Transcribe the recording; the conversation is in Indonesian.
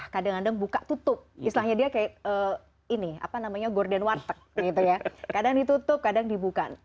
kadang ditutup kadang dibuka